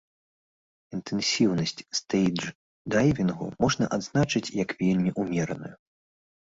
Інтэнсіўнасць стэйдждайвінгу можна азначыць як вельмі умераную.